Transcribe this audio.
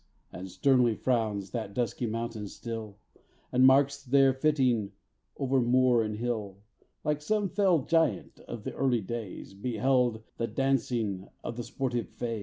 And sternly frowns that dusky mountain still, And marks their fittings over moor and hill; Like some fell giant of the early days Beheld the dancing of the sportive fays.